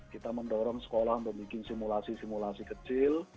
kita mendorong sekolah membuat simulasi simulasi kecil